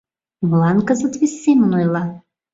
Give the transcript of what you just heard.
Молан кызыт вес семын ойла?